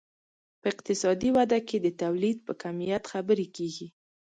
په اقتصادي وده کې د تولید په کمیت خبرې کیږي.